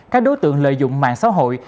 các đối tượng lợi dụng mạng xã hội